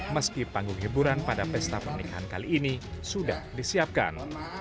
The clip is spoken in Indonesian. meski panggung hiburan pada pesta pernikahan kali ini sudah disiapkan